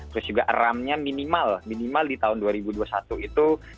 terus juga ramnya minimal minimal di tahun dua ribu dua puluh satu itu